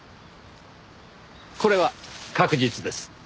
これは確実です。